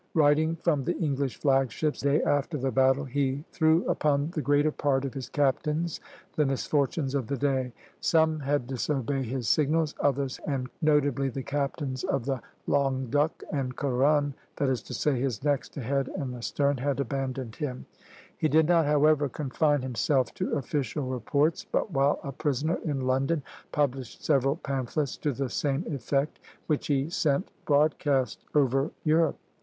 Writing from the English flag ship, the day after the battle, he "threw upon the greater part of his captains the misfortunes of the day. Some had disobeyed his signals; others, and notably the captains of the 'Languedoc' and 'Couronne,' that is to say his next ahead and astern, had abandoned him." He did not, however, confine himself to official reports, but while a prisoner in London published several pamphlets to the same effect, which he sent broadcast over Europe.